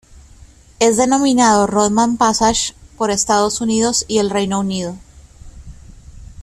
Es denominado "Rodman Passage" por Estados Unidos y el Reino Unido.